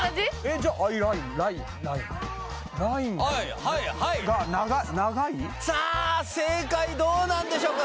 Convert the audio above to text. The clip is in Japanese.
じゃアイラインラインラインはいはいはいさあ正解どうなんでしょうか